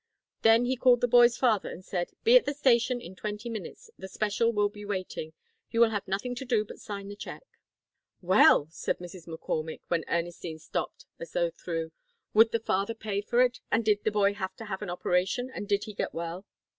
Then he called the boy's father and said, 'Be at the station in twenty minutes. The special will be waiting. You will have nothing to do but sign the check.'" "Well," said Mrs. McCormick, when Ernestine stopped as though through, "would the father pay for it, and did the boy have to have an operation, and did he get well?"